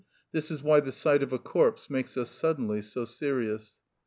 This is why the sight of a corpse makes us suddenly so serious.